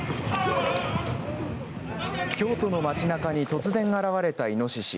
京都の街なかに突然現れたイノシシ。